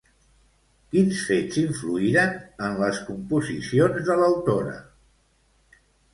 Quins fets influïren en les composicions de l'autora?